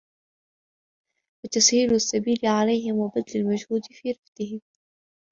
وَتَسْهِيلُ السَّبِيلِ عَلَيْهِمْ وَبَذْلُ الْمَجْهُودِ فِي رِفْدِهِمْ